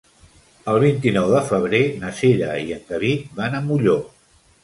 El vint-i-nou de febrer na Cira i en David van a Molló.